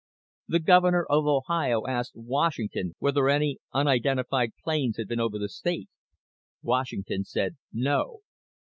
The Governor of Ohio asked Washington whether any unidentified planes had been over the state. Washington said no.